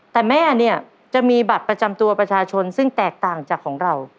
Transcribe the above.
แต่แม่เนี่ยจะมีบัตรประจำตัวประชาชนซึ่งแตกต่างจากของเรา